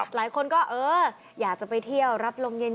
หลายคนก็เอออยากจะไปเที่ยวรับลมเย็น